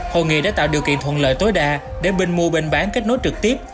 hội nghị đã tạo điều kiện thuận lợi tối đa để bình mua bình bán kết nối trực tiếp